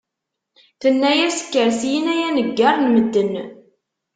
Tenna-yas kker syin ay aneggar n medden!